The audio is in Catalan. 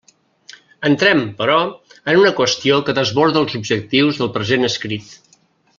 Entrem, però, en una qüestió que desborda els objectius del present escrit.